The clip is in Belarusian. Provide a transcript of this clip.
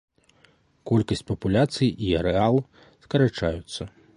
Колькасць папуляцый і арэал скарачаюцца.